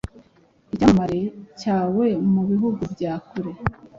Icyamamare cyawe mu bihugu bya kure